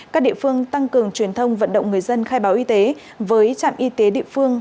các địa phương tăng cường truyền thông vận động người dân khai báo y tế với trạm y tế địa phương